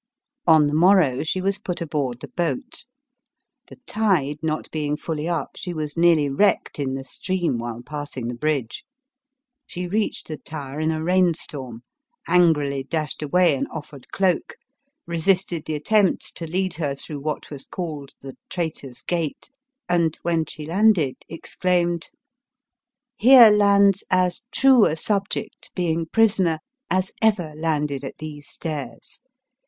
On the morrow she was put aboard the boat; the tide not being fully up, she was nearly wrecked in the stream while passing the bridge ; she reached the Tower in a rain storm, angrily dashed away an offered cloak, re sisted the attempt to lead her through what was called 18 290 ELIZABETH OF ENGLAND. the " traitor's gate," and, when she landed, exclaimed, " Here lands as true a subject, being prisoner, as ever landed at these stairs.